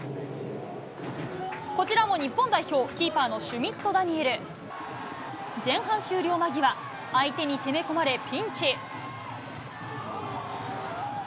こちらも日本代表、キーパーのシュミット・ダニエル、前半終了間際、相手に攻め込まれ、ピンチ。